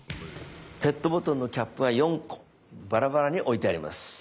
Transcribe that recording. ペットボトルのキャップが４個バラバラに置いてあります。